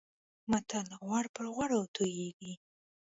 متل: غوړ پر غوړو تويېږي.